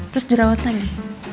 terus jerawat lagi